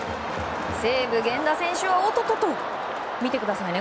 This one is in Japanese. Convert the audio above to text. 西武、源田選手はおっとっと、見てくださいね